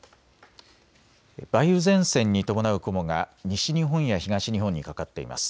梅雨前線に伴う雲が西日本や東日本にかかっています。